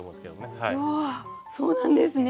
そうなんですね！